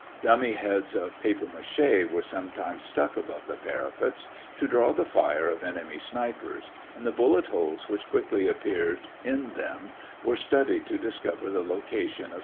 Dummy heads of papier mâché were sometimes stuck above the parapet to draw the fire of enemy snipers and the bullet holes which quickly appeared in them were studied to discover the location of the snipers.